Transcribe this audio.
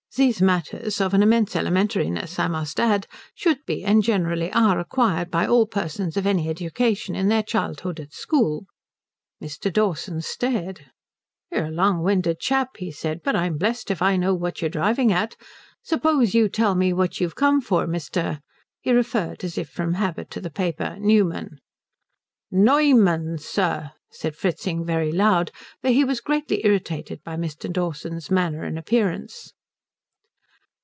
These matters, of an immense elementariness I must add, should be and generally are acquired by all persons of any education in their childhood at school." Mr. Dawson stared. "You're a long winded chap," he said, "but I'm blessed if I know what you're driving at. Suppose you tell me what you've come for, Mr." he referred as if from habit to the paper "Newman." "_Neu_mann, sir," said Fritzing very loud, for he was greatly irritated by Mr. Dawson's manner and appearance.